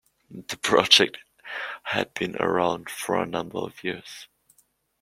The project had been around for a number of years.